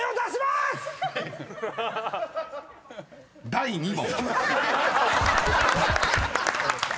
［第２問］